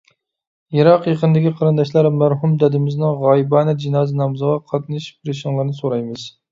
يىراق-يېقىندىكى قېرىنداشلار، مەرھۇم دادىمىزنىڭ غايىبانە جىنازا نامىزىغا قاتنىشىپ بېرىشىڭلارنى سورايمىز.